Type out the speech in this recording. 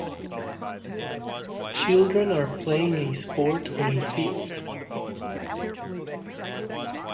Children are playing a sport on a field.